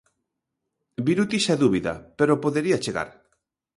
Birutis é dúbida, pero podería chegar.